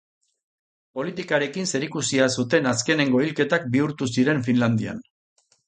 Politikarekin zerikusia zuten azkenengo hilketak bihurtu ziren Finlandian.